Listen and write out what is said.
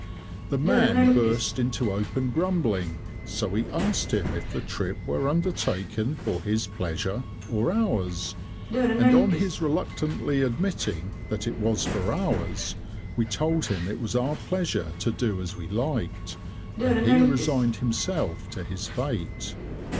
The man burst into open grumbling, so we asked him if the trip were undertaken for his pleasure or ours, and on his reluctantly admitting that it was for ours, we told him it was our pleasure to do as we liked, and he resigned himself to his fate.